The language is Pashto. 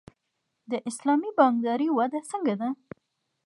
د اسلامي بانکدارۍ وده څنګه ده؟